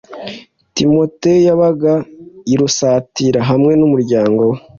timoteyo yabaga i lusitira hamwe n umuryango we